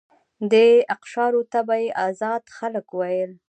دې اقشارو ته به یې آزاد خلک ویل.